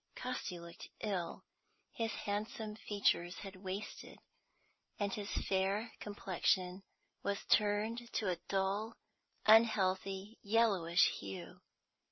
Casti looked ill; his handsome features had wasted, and his fair complexion was turned to a dull, unhealthy, yellowish hue.